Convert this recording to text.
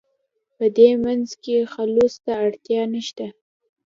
په دې منځ کې خلوص ته اړتیا نشته.